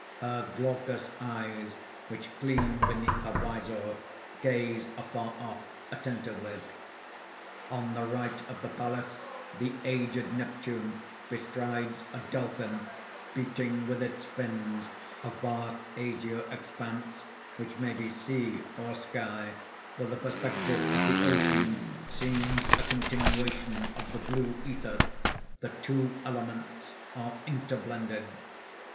Her glaucous eyes, which gleam beneath her vizor, gaze afar off, attentively._ _On the right of the palace, the aged Neptune bestrides a dolphin beating with its fins a vast azure expanse which may be sea or sky, for the perspective of the Ocean seems a continuation of the blue ether: the two elements are interblended.